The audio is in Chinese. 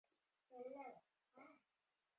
多花茶藨子为虎耳草科茶藨子属下的一个种。